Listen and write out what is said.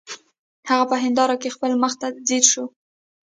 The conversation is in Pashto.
هغه په هنداره کې خپل مخ ته ځیر شو